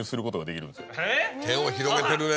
手を広げてるね。